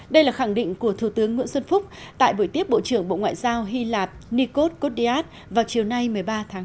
đây là khẳng định của thủ tướng nguyễn xuân phúc tại buổi tiếp bộ trưởng bộ ngoại giao hy lạp nikos kodias vào chiều nay một mươi ba tháng bốn